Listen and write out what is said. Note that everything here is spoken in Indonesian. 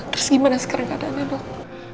terus gimana sekarang keadaannya dok